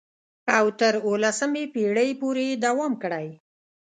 او تر اوولسمې پېړۍ پورې یې دوام کړی.